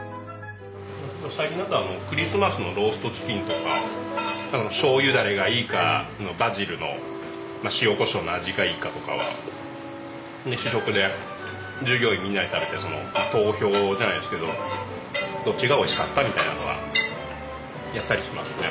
最近だとクリスマスのローストチキンとかをしょうゆだれがいいかバジルの塩こしょうの味がいいかとかは試食で従業員みんなで食べてその投票じゃないですけどどっちがおいしかったみたいなのはやったりしますね。